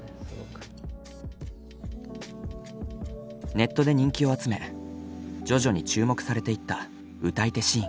ネットで人気を集め徐々に注目されていった歌い手シーン。